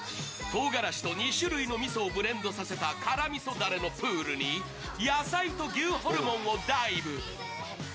とうがらしと２種類のみそをブレンドさせた辛みそだれのプールに野菜と牛ホルモンをダイブ。